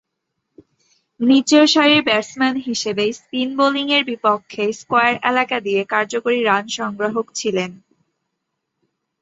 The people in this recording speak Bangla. নিচেরসারির ব্যাটসম্যান হিসেবে স্পিন বোলিংয়ের বিপক্ষে স্কয়ার এলাকা দিয়ে কার্যকরী রান সংগ্রাহক ছিলেন।